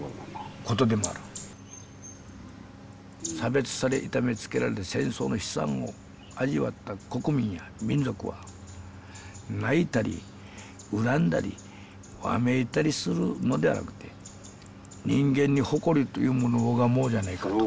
差別され痛めつけられ戦争の悲惨を味わった国民や民族は泣いたり恨んだりわめいたりするのではなくて人間に誇りというものを拝もうじゃないかと。